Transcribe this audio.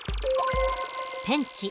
ペンチ